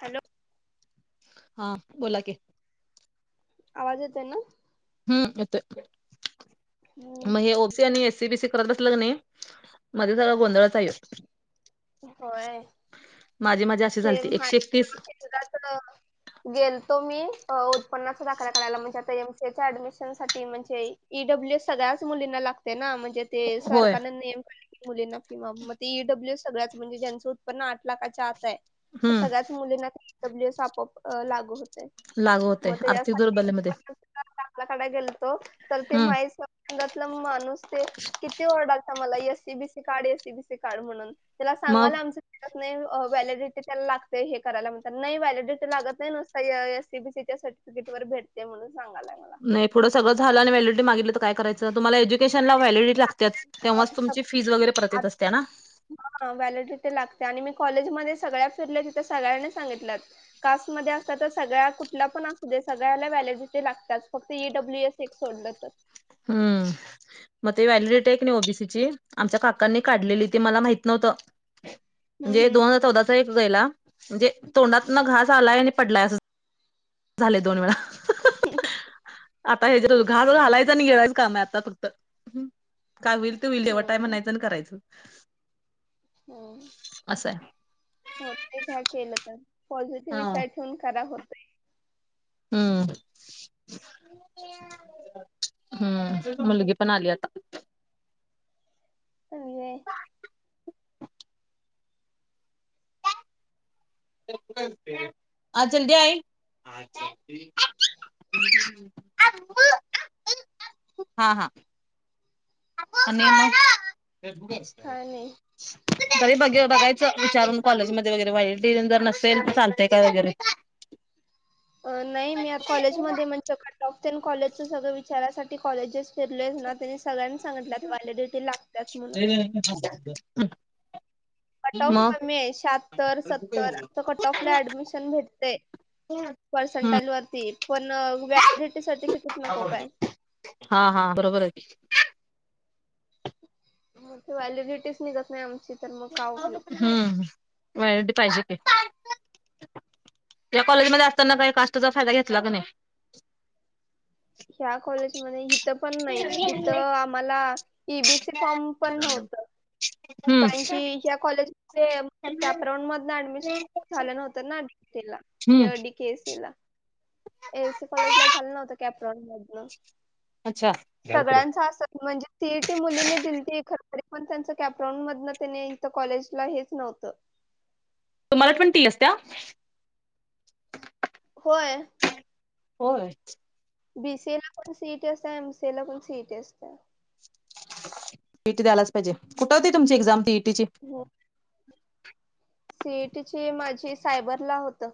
Hello. हा बोला की. आवाज येतोय ना. हम्म येतोय मग हे ओ सी आणि एसी बी सी. करत बसलं कनी मध्ये सगळा गोंधळच आहे यो. होय. माझी मज्जा. तेच. गेलतो मी उत्पन्नाचा दाखला काढायला म्हणजे आता एमसीएच्या ऍडमिशन साठी म्हणजे. ईडब्ल्यू एस सगळ्याच मुलींना लागते ना म्हणजे. ते होय सरकारने नियम काढ मुलींना फिमा मग ती ई डब्ल्यू एस. सगळ्याच म्हणजे ज्यांचं उत्पन्न आठ लाखाच्या आत आहे. हम्म सगळ्याच मुलींना ई डब्ल्यू एस आपोआप लागू होते. लागू होतय मग तेच्या आर्थिक साठी दुर्बलतेमध्ये उत्पन्न. उत्पन्नाचा दाखला काढायला गेलतो तर ते हम्म माही स्ंगातलं माणूस ते किती ओरडालत. आम्हाला एस सी बीसी काढ एस सी बीसी काढ म्हणून त्याला सांगायलो मग आमच निघत नाही व्हॅलिडिटी. त्याला लागते हे करायला म्हणतात नाही व्हॅलिडिटी लागत नाही नुसता एसीबीसीच्यासाठी. तिकीट वर भेटते म्हणून सांगायला मला. नाही पुढं सगंळ झालं आणि व्हॅलिडिटी मागितली तर काय करायचं तुम्हाला. ला वॅलिडीटी लागतेच तेव्हा तुमची फीस वगैर परत असतेय ना. हा व्हॅलिडिटी लागते आणि मी कॉलेजमध्ये सगळ्या फिरल्या तिथे सगळ्यांनी सांगितल्यात. कास्टमध्ये असतात तर सगळ्या कुठला पण असू दे सगळ्याला व्हॅलिडिटी लागतात फक्त ई डब्ल्यू एस. तेच सोडलं तर. हम्म मग ते व्हॅलिडिटी आहे कनी ओबीसी ची. आमच्या काकांनी काढलेली ते मला माहित नव्हतं म्हणजे हम्म दोन हजार चौदाचा एक गेला. म्हणजे तोंडात न घास आलाय आणि पडलाय अस. झाले दोन वेळा आता हे जे घास घालायच. गीळायचं काम आता फक्त काय होईल ते होईल देवट आहे हम्म म्हणायचं आणि करायचं. असं आहे. होतय काय केलं तर पॉझिटिव्ह हा. विचार ठेवून करा होतय. हम्म हम्म मुलगी पण आली आता. अजे. आज जल्दी आई. अच्छा. हा हा. आणि मग. काय नाही तरी बघे बघायच विचारून कॉलेजमध्ये वगैरे वाईट डिन जर नसेल तर चालतय काय वगैरे. अ नाही मी आता कॉलेज मध्ये म्हण. सग टॉप टेन कॉलेजच सगळं विचारासाठी कॉलेजेस फिरले ना त्यांनी सगळ्यांनी सांगितल्यात व्हॅलिडिटी लागतच म्हणून. हम्म हम्म. [inaudible] कट ऑफ कमी शात्तर सत्तर आ कट ऑफ ला ऍडमिशन भेटते. हम्म पर्सेंटाज वरती पण वॅडिटी सर्. हा हा बरोबर आहे की. मग ती व्हॅलिडिटीच निघत नाही आमची. तर मग काय उपयोग हूं व्यारंटी पाहिजे ती. त्या कॉलेजमध्ये असताना काही कास्टचा फायदा, घेतला का नाही? ह्या कॉलेजमध्ये इथं पण नाही, इथं आम्हाला ईबीसी फॉर्म पण नव्हतं. हम्म. कारण की या कॉलेजमध्ये कॅपरांउड मधनं ऍडमिशन झालं नव्हतं. त ना [unintelligible] हम्म. किंवा डी के सी लां. एआयसी कॉलेज ला झालं नव्हत कॅप राऊंड मधन, अच्छा. सगळ्यांच असं म्हणजे सीईटी मुलीने दिलती खर तरी पण त्यांचं कॅपराऊड मधन त्यानी इथं कॉलेजला हेच नव्हतं. तुम्हाला पन टी असत्या? होय! होय! बी सी ए ला पण सीईटी असत्यां, एम सी ए ला पण सीईटी असत्यां. टी टी द्यायलाचं पाहिजे, कुठं होती तुमची एक्झाम टी ई टी ची? हो! सी ई टी ची माझी सायबरला होतं.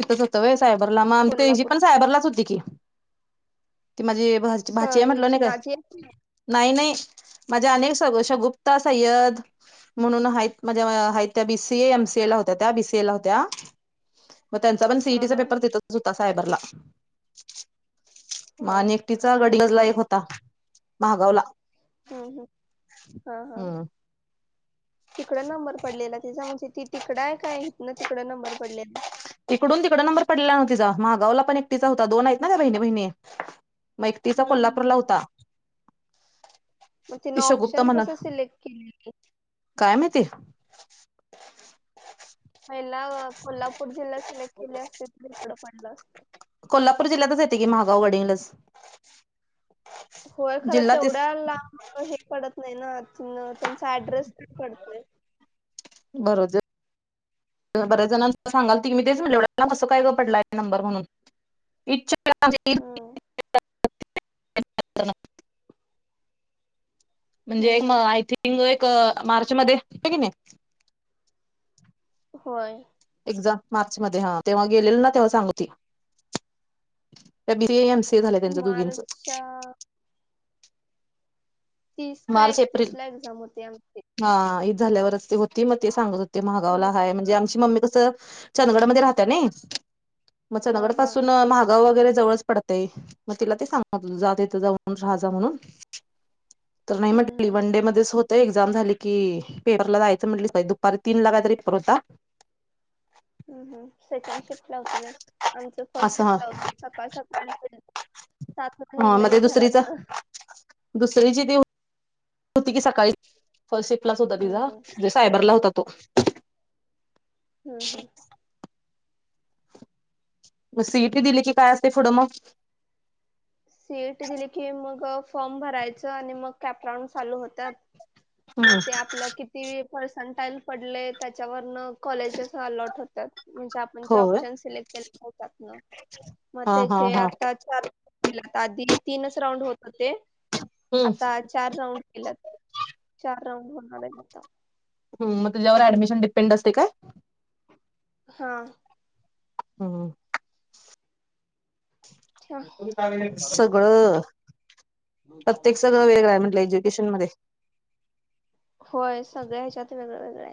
इथच होतं होय सायबरला, माग ती हिची कोल्हापूर पण सायबरलाच होती की ती माझी बहरची स- भाची हे म्हटलं हिची नही काय. नाझी आहे. नाही नाही माझ्या अनेक सघो, शगुप्ता, सय्यद म्हणून हायत माज्या हायत, त्या B C A, M C A ला होत्या, त्या बी सी ए ला होत्या. म त्यांचा पण हा सीईटीचा हा पेपर तितच होता सायबरला. म होय आणि काय एकटीचा माहित गडग्लजला नाही एक होता माहागाव ला. हं हं, हा हा हम्म तिकड नंबर पडलेला तिचा म्हजी. त ती तिकड आहे काय, हितन तिकडं नंबर पडले. ईकडून तिकड नंबर पडला मं तिचा, महागावला पण एकटीचा होता, दोन आहेत ना त्या बहिणी बहिणी. मग एकटीचा हम्म. कोल्हापूरला होता. मग तिनं ती शगुप्ता ऑप्शन कसं म्हणत सिलेक्ट केलेली? काय माहिती? पहिला कोल्हापूर जिल्हा सिलेक्ट केले असते त ईकडं पडलं असतं. कोल्हापूर जिल्ह्याच येते की महागाव गडहिंग्लज. होय खरं जिल्हा तेच तेवढ्या लांब हे पडत नाही ना नं त्यांचा ऍड्रेस पण पडतोय. भरो दे. बऱ्याच जणांच सांगालती की मी तेच म्हणल एवढ्या लांब कस काय ग पडलाय नंबर म्हणून. हम्म [unintelligible] म्हणजे एक हम्म हम्म आय थिंग एक मार्च मध्ये कि नाही. होय! एक्झाम मार्च मध्ये हा तेव्हा गेलेलो ना तेव्हा सांग होती. त B C A, M C A झालये त्यांचं मार्चच्या दोघींचं. तीस का मार्च एकतीस एप्रिल ला एक्झाम होती आमची. हा ईद झाल्यावरच ते होती मग ते सांगत होते, हो महागावला हाय म्हणजे आमची मम्मी कसं. चंदगडमध्ये राहत्यां नई म हा चंदगड हा पासून महागाव वगैरे जवळचं पडतय म तिला ते सांगतला जातेय त जाऊन राहा जा म्हणून. तर नाही हम्म म्हटली हम्म वनडे मध्येच होत एक्झाम झाली की पेपरला जायचं म्हटलीच दुपारी तीन ला काय तरी पेपर होता. हूं हूं सेकंड शिफ्ट ला होते ते आमचं फर्स्ट असं शिफ्ट ला होत सकाळ-सकाळी. सातलां हा निघलेलं दुसरीचा घरातनं. तरी दुसरी ते. [unintelligible] होती की सकाळी फर्स्ट शिप होता हम्म तिचा हम्म जे सायबरला होता तो. हम्म हम्म. मग सीईटी दिली की काय असते पुढं मग? सीईटी दिली की मग फॉर्म भरायच आणि मग कॅपराऊंड चालू होतात. मग हम्म ते आपलं किती पर्संटाईल पडलेय त्याच्यावरन कॉलेजेस अलॉट होतात म्हणजे आपण जे होय ऑप्शन सिलेक्ट केले होतात ना. हा हा मतेचे हा आता च. के आधी तीनच राऊंड होत होते हम्म आता चार राऊंड केलंत. चार राऊंड होणार आहेत आता. मग त्याच्यावर ऍडमिशन डिपेंड असते का? हा. हो. अच्छा सगळं प्रत्येक सगळं वेगळं आहे म्हंटलंय जे. मध्ये. होय सगळ ह्याच्यात वेगळं वेगळं.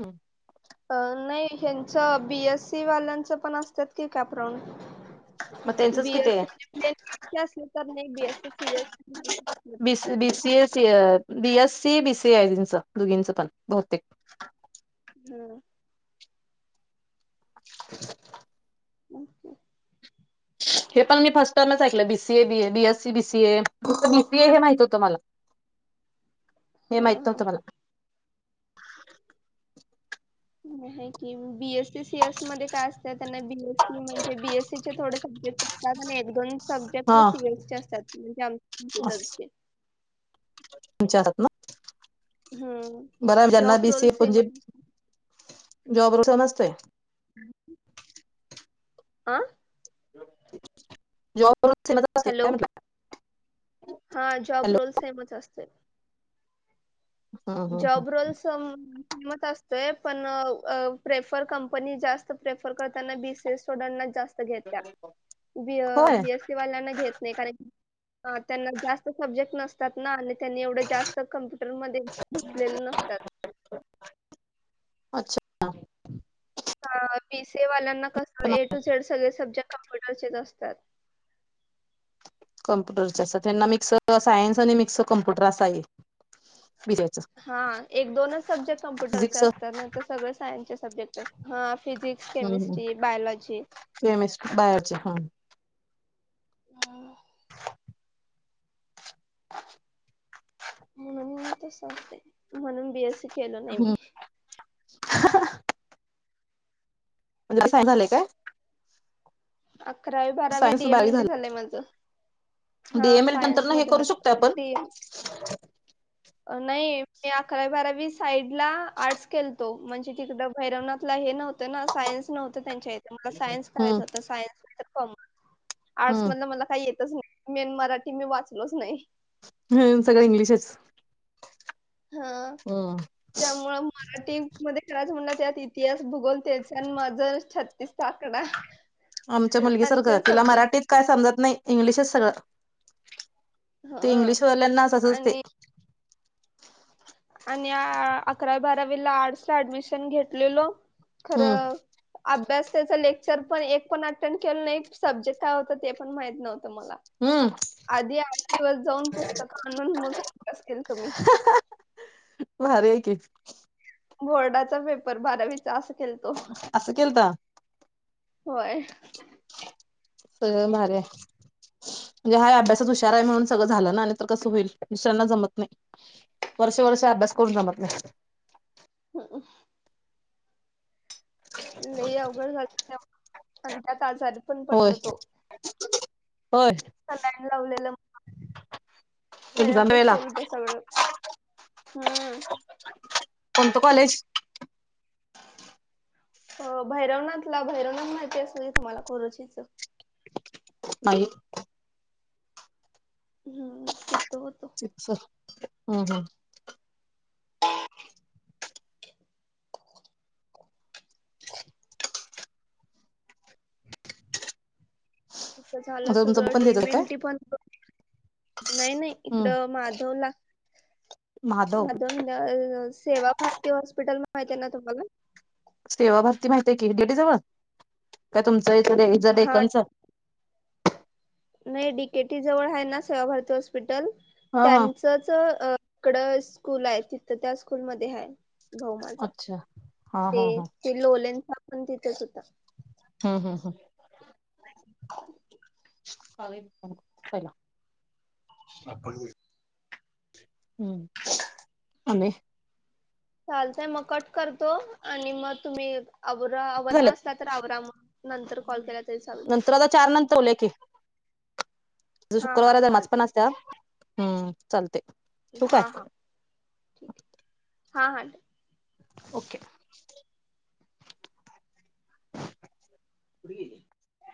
हम. अ नाही ह्यांच बीएससी वाल्यांच पण असतात की कॅप राऊंन. मग त्यांचंच किती आहे बीएससी म्हणजे प्लेन अस तर नाही BSc CS. B BCA C BS C बीसीएच दोघींचं पण बहुतेक. हम. [inaudible] ओके. हे पण मी फर्स्ट टर नच ऐकलं BCA BA BSc BCA BCA हे माहित होतं मला. [inaudible] हे माहिती हा नव्हतं मला. की बीएससी सीएस मध्ये काय असत त्यांना बीएसी म्हणजे बीएससी चे थोडे सब्जेक्ट. कारण एक दोन सब्जेक्ट हा सीरएसचे असतात म्हणजे आम असं कमपुटरचे. तुमच्या हात ना. बर हम्म ज्यांना जॉब रोल बीसीएणजे सेमच जॉब र समजतोय. हम. आं. जॉब हॅलो म. [unintelligible] हा जॉब रोल सेमच असत. हम्म, हम्म, हम्म. जॉब रोल फेमत असतोय पण प्रेफर कंपनी जास्त प्रेफर करताना बी सी एस सोड जास्त घेत त्या बी होय बीएससी वाल्यांना घेत नाही कारण ह त्यांना जास्त सब्जेक्ट नसतात ना आणि त्यांनी एवढं जास्त कम्प्युटरमध्ये घुसलेले नसतात. अच्छा बी सी ए वाल्यांना कसं पण ए टू झेड सगळे सब्जेक्ट कम्प्युटरचेच असतात. कम्पुटरचे असत त्यांना मिक्स सायन्स आणि मिक्स कम्प्युटर असा आहे विजेच हा एक दोनच सब्जेक्ट कम्प्युटरचे असतात ना तर सगळे सायन्सचे सब्जेक्ट अस. Physics chemistry biology. Chemistry biology हा. हा. [inaudible] अम्म तस असते म्हणून बीए सी केल नाही मी. ह [unintelligible] पन्तस [unintelligible] झालंय काय? अकरावी बारावी सायन्स डीए मए लडी झालं झालंय माझं. हा डीएमएल नंतर सायन्स ना हे करू मधूनच शकतो आपण तेम. नाही मी अकरावी बारावी साईड ला आर्ट्स केलतो म्हणजे तिकडं भैरवनाथला हे नव्हतं. ना सायन्स नव्हतं त्यांच्या इथ मला सायन्स हम्म, करायच होत सायन्स कॉमर्स आर्ट्स हम्म. मधलं मला काही येतच नाही. मेन मराठी मी वाचलोच नाही. ह सगळं इंग्लिशच. हा हम्म त्यामुळं मराठी. मध्ये खरराच म्हणला त्यात इतिहास भूगोल त्याचण माझं छत्तीस चकना आमच्या अंन मुलगीसारखं ते तिला सब्जेक्ट मराठीत काय समजत नाही इंग्लिशच सगळं ते हा इंग्लिश वल्यांना अस असच आणि ते. आणि अकरावी बारावीला आर्डसला ऍडमिशन घेतलेलो हम्म खरं अभ्यास त्याच लेक्चर पण एक पण अटेंड केलं नाही सब्जेक्ट काय होत ते पण माहीत नव्हतं मला. हम्म आधी आठ दिवस जाऊन पुस्तकं आणून मग आभ्यास केलतो मी. भारी आहे की. बोर्डाचा पेपर बारावीत. जा आस केलतो असं केलता व्हय. तु गण भारी हाय. म्हणजे हाय अभ्यासात हुशार आहे म्हणून सगळं झालं ना, नाही तर कसं होईल दुसऱ्यांना जमत नाही. वर्ष वर्ष अभ्यास करून जमत नाही. ह [unintelligible] लय अवघड झालं ते [unintelligible] आणि त्यात आजारी. पण होय पटल तो होय का लाईन लावलेलं. एक्झाम त्याज्यातच वेळेला केलत सगळं हम्म. कोणतं कॉलेज? हो भैरवनाथला भैरवनाथ माहिती अस नही तुम्हाला खुरचीच. नाही. हम्म तिथ होतो. हम्म हम्म. तिथ झालं तुमचं सगळं पण देत डीए काय मेलटी पण नाही नाही इकड हम्म माधव ला. ' माधव मधव दय सेवा भारती हॉस्पिटल माहती आहे का तुम्हाला. सेवा भारती माहती हे की डेडीजवळ काय तुमचं इज हा डेकनच. नाही डीकेटी जवळ आहे ना, सेवाभारती हॉस्पिटल हा हा त्यांच. तच अ इड स्कूल आहे तिंथ त्या स्कूलमध्ये हाय. भाऊ माझा अच्छा हा ते हा हा ते लोलेचा पण तिथेच होता. हम्म हम्म हम्म. [inaudible] ला [unintelligible] हम्म आणि चालतय मग कट करतो आणि म तुम्ही आवरा आवरणा असला तर आवरा मग. नंतर कॉल केला तरी हम्म चालत नंतर आता चार नंतर वोल्या की. आज हा शुक्रवार हा हाय नमाज पण चालते असत्या, हं चालतंय. हां, हां. ठीकये हां. हां. ठीक. ओके. कुठं गेली?